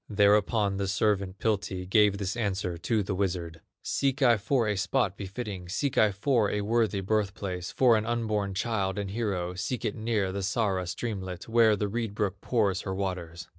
Thereupon the servant, Piltti, Gave this answer to the wizard: "Seek I for a spot befitting, Seek I for a worthy birth place, For an unborn child and hero; Seek it near the Sara streamlet, Where the reed brook pours her waters.